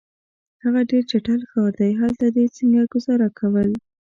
هغه ډېر چټل ښار دی، هلته دي څنګه ګذاره کول؟